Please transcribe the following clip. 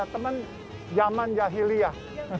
teman zaman jahiliah